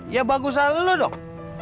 ya bagusan lu dong